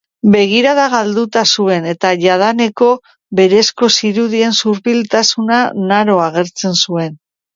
Begirada galduta zuen eta jadaneko berezko zirudien zurbiltasuna naro agertzen zuen.